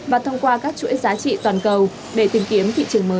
và thông qua các chuỗi giá trị toàn cầu để tìm kiếm thị trường mới